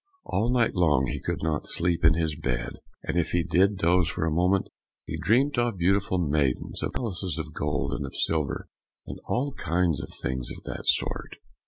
All night long he could not sleep in his bed, and if he did doze for a moment, he dreamt of beautiful maidens, of palaces, of gold, and of silver, and all kinds of things of that sort.